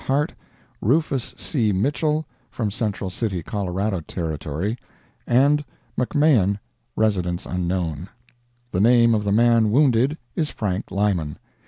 Hart, Rufus C. Mitchell, from Central City, Colorado Territory, and McMahan, residence unknown; the name of the man wounded is Frank Lyman.